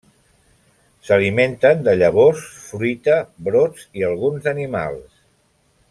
S'alimenten de llavors, fruita, brots i alguns animals.